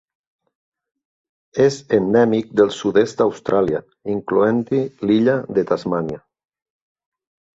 És endèmic del sud-est d'Austràlia, incloent-hi l'illa de Tasmània.